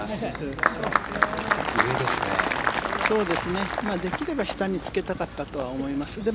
できれば下につけたかったとは思います。